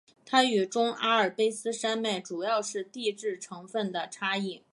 它与中阿尔卑斯山脉主要是地质成分的差异。